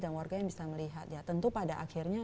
dan warga yang bisa melihat tentu pada akhirnya